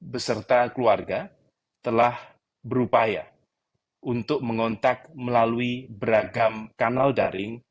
beserta keluarga telah berupaya untuk mengontak melalui beragam kanal daring